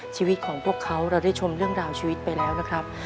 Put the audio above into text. ชีวิตของพวกเขาเราได้ชมเรื่องราวชีวิตไปแล้วนะครับ